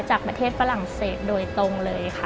จากประเทศฝรั่งเศสโดยตรงเลยค่ะ